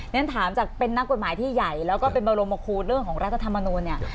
ฉันถามจากเป็นนักกฎหมายที่ใหญ่แล้วก็เป็นบรมคูณเรื่องของรัฐธรรมนูลเนี่ย